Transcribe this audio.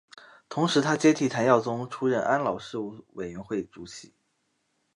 同时他接替谭耀宗出任安老事务委员会主席。